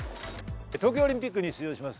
東京オリンピックに出場します